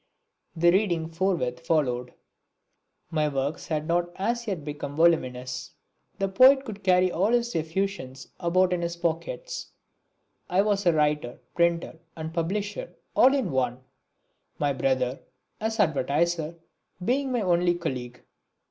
The reading forthwith followed. My works had not as yet become voluminous. The poet could carry all his effusions about in his pockets. I was writer, printer and publisher, all in one; my brother, as advertiser, being my only colleague.